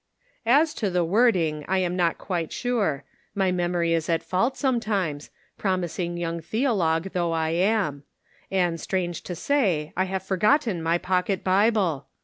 " As to the wording I am not quite sure. My memory is at fault sometimes, promising young theologue though I am ; and, strange to say, I have forgotten my pocket Bible